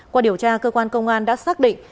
qua điều tra cơ quan công an đã xác định